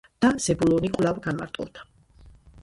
და ზებულონი კვლავ განმარტოვდა